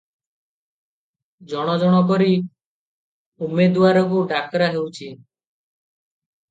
ଜଣ ଜଣ କରି ଉମେଦୁଆରକୁ ଡାକରା ହେଉଛି ।